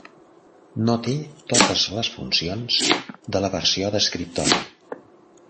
No té totes les funcions de la versió d'escriptori.